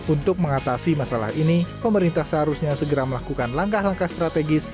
untuk mengatasi masalah ini pemerintah seharusnya segera melakukan langkah langkah strategis